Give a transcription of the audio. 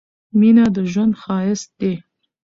مينه د ژوند ښايست دي